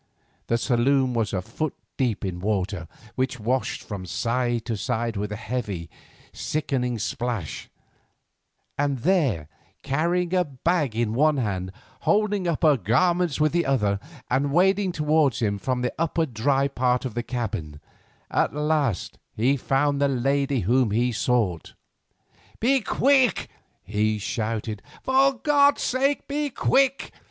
The saloon was a foot deep in water, which washed from side to side with a heavy, sickening splash, and there, carrying a bag in one hand, holding up her garments with the other, and wading towards him from the dry upper part of the cabin, at last he found the lady whom he sought. "Be quick!" he shouted; "for God's sake, be quick!